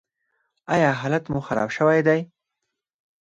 ایا حالت مو خراب شوی دی؟